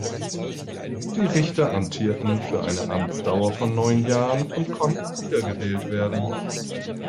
Die Richter amtierten für eine Amtsdauer von neun Jahren und konnten wiedergewählt werden.